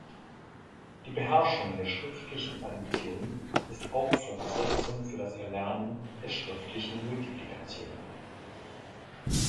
Die Beherrschung der schriftlichen Addition ist auch Voraussetzung für das Erlernen der schriftlichen Multiplikation.